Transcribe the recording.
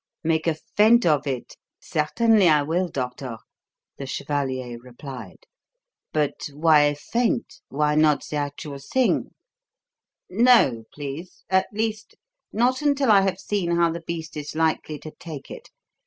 "Make a feint of it? Certainly I will, doctor," the chevalier replied. "But why a feint? Why not the actual thing?" "No, please at least, not until I have seen how the beast is likely to take it.